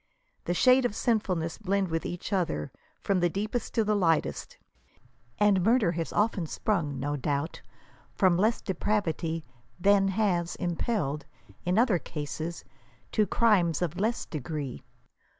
The shades of sinfulness blend with each other, from the deepest to the lightest ; and murder has often sprung, no doubt, from less de pravity than, has impelled, in other cases, to crithes of less degree.